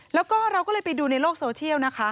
แล้วก็เราก็เลยไปดูในโลกโซเชียลนะคะ